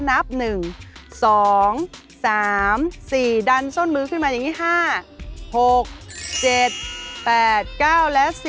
นับ๑๒๓๔ดันส้นมือขึ้นมาอย่างนี้๕๖๗๘๙และ๔